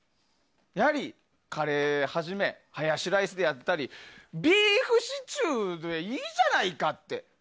やはり、カレーはじめハヤシライスであったりビーフシチューでいいじゃないかっていう。